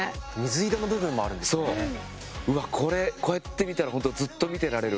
うわっこれこうやって見たら本当ずっと見てられる。